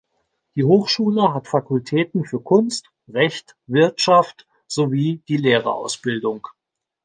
Die Hochschule hat Fakultäten für Kunst, Recht, Wirtschaft sowie die Lehrerausbildung.